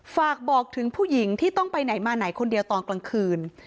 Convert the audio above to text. ฝากบอกถึงผู้หญิงที่ต้องไปไหนมาไหนคนเดียวตอนกลางคืน